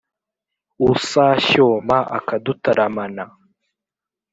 usashyoma akadutaramana,